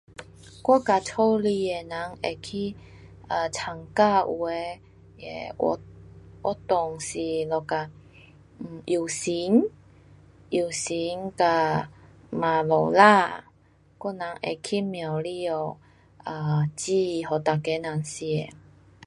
我跟家里的人会去 um 参加有的那个活，活动是 like 啊游行，游行在马路啦，我人会去庙里咯，um 煮给大家人吃。